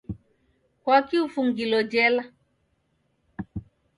Kwaki ufungilo jela?